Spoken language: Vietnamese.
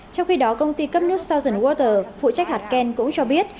trong khi đó công ty cấp nước south eastwater phụ trách hạt ken cũng cho biết